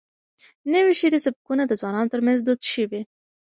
نوي شعري سبکونه د ځوانانو ترمنځ دود شوي.